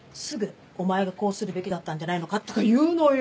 「お前がこうするべきだったんじゃないのか」とか言うのよ。